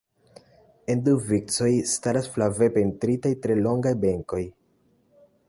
En du vicoj staras flave pentritaj tre longaj benkoj.